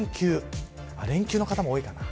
連休の方も多いかな。